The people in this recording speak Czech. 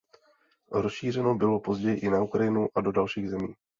Rozšířeno bylo později i na Ukrajinu a do dalších zemí.